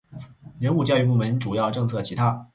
人物教育部门主要政策其他